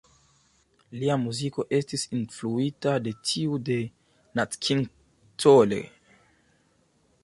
Lia muziko estis influita de tiu de Nat King Cole.